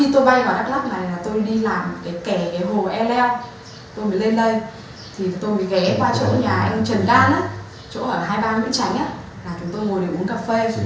tôi mới lên đây tôi mới ghé qua chỗ nhà anh trần đan chỗ ở hai mươi ba nguyễn tránh chúng tôi ngồi để uống cà phê